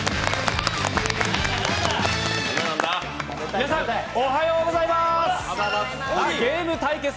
皆さん、おはようございまーす！